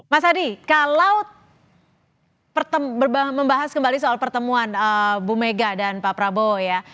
mas adi kalau membahas kembali soal pertemuan bu mega dan pak prabowo ya